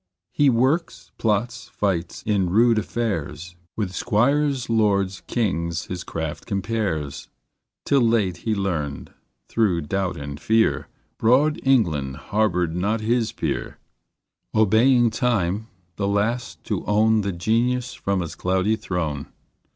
He works, plots, fights, in rude affairs, With squires, lords, kings, his craft compares, Till late he learned, through doubt and fear, Broad England harbored not his peer: Obeying time, the last to own The Genius from its cloudy throne.